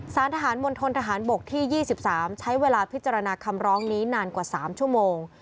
สารทหารมณฑนทหารบกที่๒๓ใช้เวลาพิจารณาคำร้องนี้นานกว่า๓ชั่วโมง